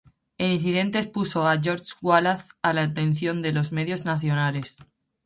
El incidente expuso a George Wallace a la atención de los medios nacionales.